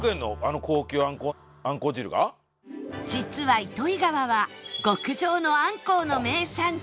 実は糸魚川は極上のあんこうの名産地